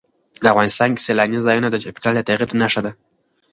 افغانستان کې سیلانی ځایونه د چاپېریال د تغیر نښه ده.